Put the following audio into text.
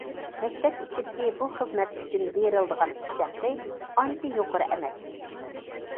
مەكتەپ ئىچىدىكى بۇ خىزمەت ئۈچۈن بېرىلىدىغان ئىش ھەققى ئانچە يۇقىرى ئەمەس.